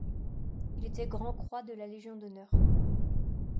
Il était grand-croix de la Légion d'honneur.